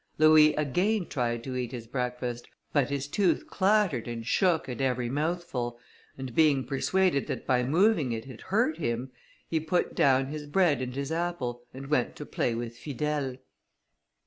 Louis again tried to eat his breakfast, but his tooth clattered and shook at every mouthful, and being persuaded that by moving it, it hurt him, he put down his bread and his apple, and went to play with Fidèle.